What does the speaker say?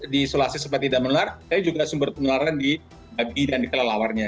disolasi seperti tidak menular tapi juga sumber penularan di babi dan kelelawarnya